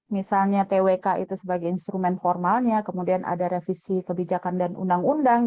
misalnya twk itu sebagai instrumen formalnya kemudian ada revisi kebijakan dan undang undang